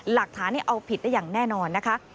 หลักฐานนี้เอาผิดได้อย่างแน่นอนนะคะ